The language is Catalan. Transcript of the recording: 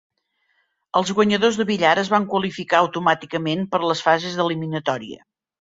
Els guanyadors de billar es van qualificar automàticament per les fases d"eliminatòria.